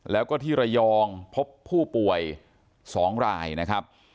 แล้วก็ที่ระยองพบผู้ป่วย๒รายนะครับ